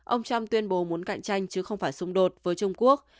ông trump tuyên bố muốn cạnh tranh chứ không phải xung đột với trung quốc